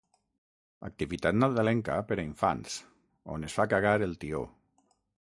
Activitat Nadalenca per a infants on es fa cagar el Tió.